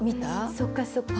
そっかそっか。